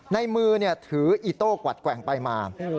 ในมือถืออีโต้กวัดแกว่งไปมา